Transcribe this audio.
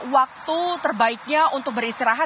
waktu terbaiknya untuk beristirahat